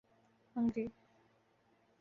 Hungary